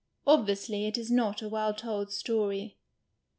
Obviously it is not a well told story.